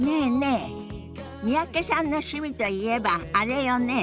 え三宅さんの趣味といえばあれよね。